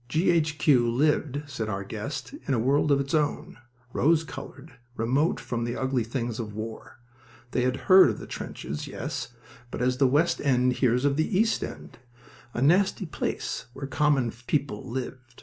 G. H. Q. lived, said our guest, in a world of its own, rose colored, remote from the ugly things of war. They had heard of the trenches, yes, but as the West End hears of the East End a nasty place where common people lived.